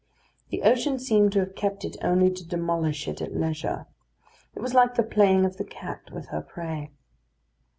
The ocean seemed to have kept it only to demolish it at leisure. It was like the playing of the cat with her prey.